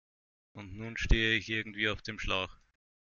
Und nun stehe ich irgendwie auf dem Schlauch.